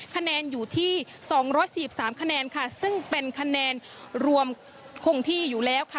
คะแนนอยู่ที่๒๔๓คะแนนค่ะซึ่งเป็นคะแนนรวมคงที่อยู่แล้วค่ะ